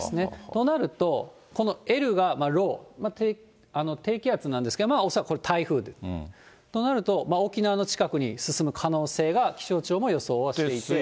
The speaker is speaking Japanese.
となると、このＬがロー、低気圧なんですけど、恐らくこれ、台風と。となると、沖縄の近くに進む可能性が気象庁も予想はしていて。